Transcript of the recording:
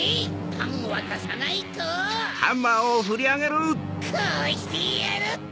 パンをわたさないとこうしてやる！